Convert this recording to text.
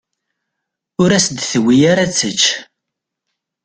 Ur as-d-tewwi ara ad tečč.